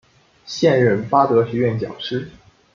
现任巴德学院讲师。